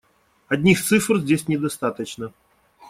Одних цифр здесь недостаточно.